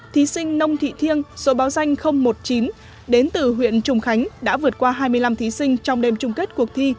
thí sinh nông thị thiêng số báo danh một mươi chín đến từ huyện trùng khánh đã vượt qua hai mươi năm thí sinh trong đêm chung kết cuộc thi